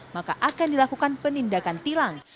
maka akan dilakukan penindakan tilang